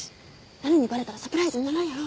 なるにバレたらサプライズにならんやろ。